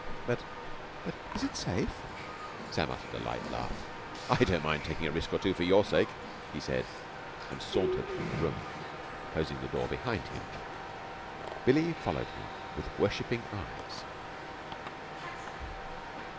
"But but is it safe?" Sam uttered a light laugh. "I don't mind taking a risk or two for your sake," he said, and sauntered from the room, closing the door behind him. Billie followed him with worshipping eyes.